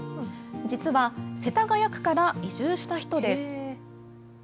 実は、世田谷区から移住した人です。